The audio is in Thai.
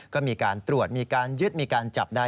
ก็มีการตรวจมีการยึดมีการจับได้